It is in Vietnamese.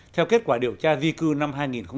theo kết quả điều tra vi cư năm hai nghìn bốn